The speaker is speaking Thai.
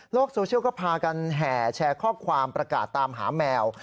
โซเชียลก็พากันแห่แชร์ข้อความประกาศตามหาแมว